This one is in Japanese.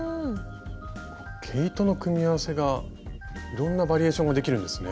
毛糸の組み合わせがいろんなバリエーションができるんですね。